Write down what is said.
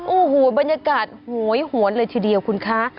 โอ้โหบรรยากาศโหยหวนเลยทีเดียวคุณคะ